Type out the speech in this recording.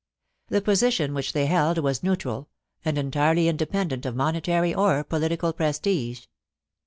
The position which they held was neutral, and entirely independent of monetary or political prestige.